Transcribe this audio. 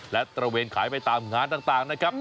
และตระเวนขายไปตามงานต่างนะครับ